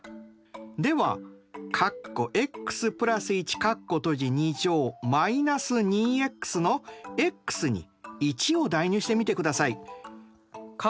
では−２ｘのｘに１を代入してみてください。